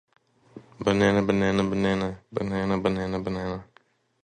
A late-night epilogue was introduced by Roger Royle.